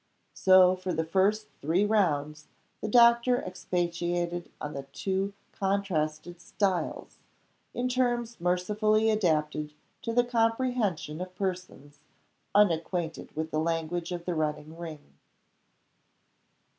So, for the first three rounds, the doctor expatiated on the two contrasted "styles" in terms mercifully adapted to the comprehension of persons unacquainted with the language of the running ring.